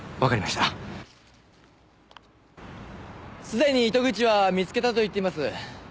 すでに糸口は見つけたと言っています。